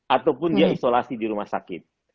ataupun dia isolasi di rumah sakit